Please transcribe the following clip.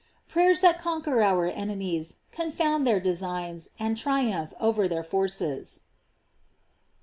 prayers that conquer our enemies, confound their designs, and triumph over their forces.